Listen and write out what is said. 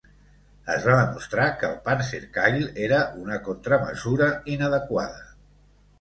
Es va demostrar que el panzerkeil era una contramesura inadequada.